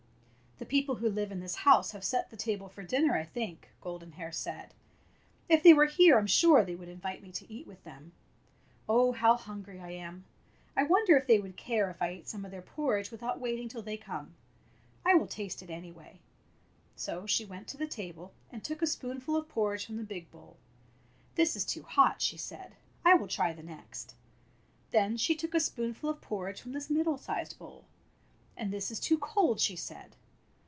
"The people who live in this house have set the table for dinner, I think," Golden Hair said. "If they were here I'm sure they would invite me to eat with them. Oh, how hungry I am ! I wonder if they would care if I ate some of their porridge without wait ing till they come. I will taste it, any way." So she went to the table and took a spoon ful of porridge from the big bowl. " This is too hot," she said. " I will try the next." 6 Fairy Tale Bears Then she took a spoonful of porridge from the middle sized bowl. ''And this is too cold/' she said.